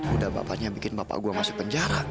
udah bapaknya bikin bapak gue masuk penjara